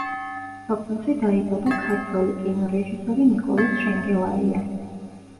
სოფელში დაიბადა ქართველი კინორეჟისორი ნიკოლოზ შენგელაია.